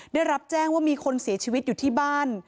ได้รับแจ้งว่ามีคนเสียชีวิตอยู่ที่บ้าน